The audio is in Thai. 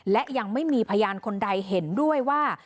และยังไม่มีพยานคนใดเห็นด้วยว่า